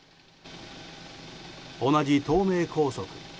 同じ東名高速。